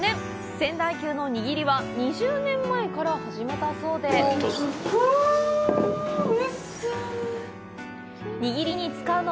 仙台牛の握りは２０年前から始めたそうではい、どうぞ。